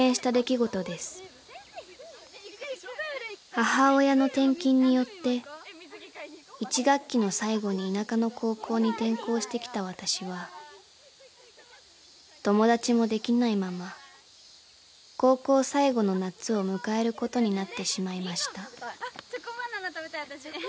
［母親の転勤によって１学期の最後に田舎の高校に転校してきた私は友達もできないまま高校最後の夏を迎えることになってしまいました］